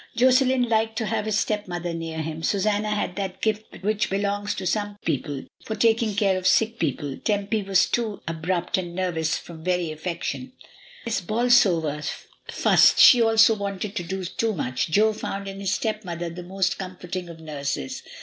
Josselin liked to have his stepmother near him, Susanna had that gift which belongs to some people for taking care of sick people. Tempy was too ab rupt and nervous from very affection. Miss Bolsover AFTERWARDS. 43 fussed; she also wanted to do too much. Jo found in his stepmother the most comforting of nurses.